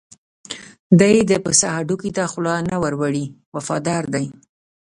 دی د پسه هډوکي ته خوله نه ور وړي وفادار دی.